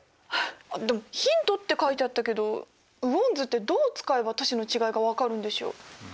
でも「ヒント」って書いてあったけど雨温図ってどう使えば都市の違いが分かるんでしょう？